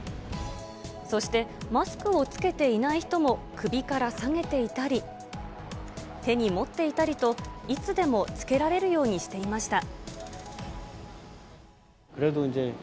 そしてマスクを着けていない人も首からさげていたり、手に持っていたりと、いつでも着けられるようにしていました。